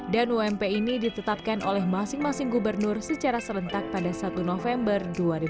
dan ump ini ditetapkan oleh masing masing gubernur secara serentak pada satu november dua ribu sembilan belas